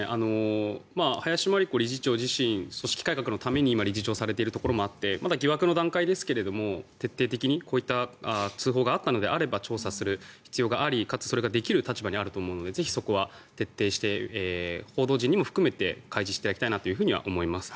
林真理子理事長自身組織改革のために理事長をされているところもあって徹底的にこういう通報があったのであれば調査する必要がありかつ、それができる立場にあると思うのでぜひそこは徹底して報道陣も含めて開示していただきたいなと思います。